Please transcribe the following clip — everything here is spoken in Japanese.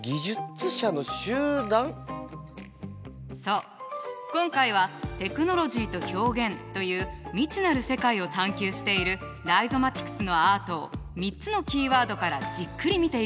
そう今回は「テクノロジーと表現」という未知なる世界を探求しているライゾマティクスのアートを３つのキーワードからじっくり見ていきたいと思います。